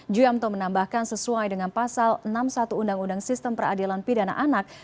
juyamto menambahkan sesuai dengan pasal enam puluh satu undang undang sistem peradilan pidana anak